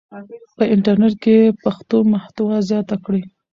په انټرنیټ کې پښتو محتوا زیاته کړئ.